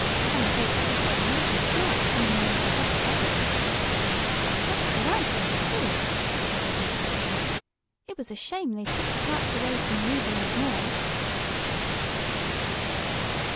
Some folks think they are mighty smart, coming in over the heads of others!" "That's what I say, too!" added Miss Dixon. "It was a shame the way they took the parts away from Ruby and Maude!"